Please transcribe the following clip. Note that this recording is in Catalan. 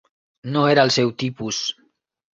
No era el seu tipus.